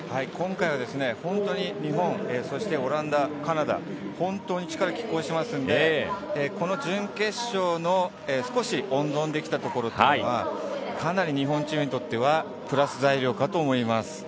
今回は本当に日本、そしてオランダカナダ、本当に力が拮抗していますのでこの準決勝で少し温存できたところというのはかなり日本チームにとってプラス材料かと思います。